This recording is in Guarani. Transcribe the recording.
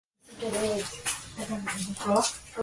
Pytuʼu.